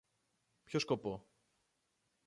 Ποιο σκοπό;